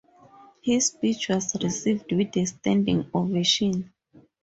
His speech was received with a standing ovation.